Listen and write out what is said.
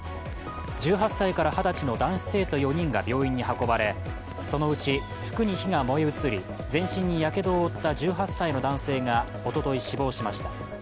１８歳から２０歳の男子生徒４人が病院に運ばれそのうち、服に火が燃え移り全身にやけどを負った１８歳の男性がおととい、死亡しました。